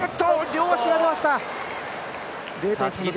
両足が出ました。